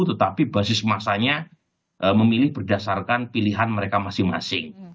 tetapi basis masanya memilih berdasarkan pilihan mereka masing masing